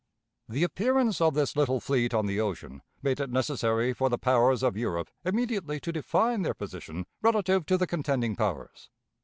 The appearance of this little fleet on the ocean made it necessary for the powers of Europe immediately to define their position relative to the contending powers.